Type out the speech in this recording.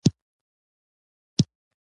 • ځینې خلک د شپې یواځیتوب ته ترجیح ورکوي.